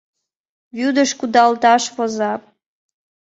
Вӱдыш кудалташ воза».